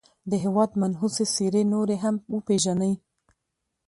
د هېواد منحوسي څېرې نورې هم وپېژني.